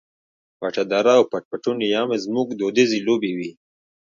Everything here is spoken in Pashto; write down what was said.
پټه دره او پټ پټونی یې هم زموږ دودیزې لوبې وې.